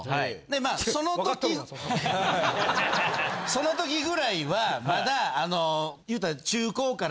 その時ぐらいはまだあの言うたら。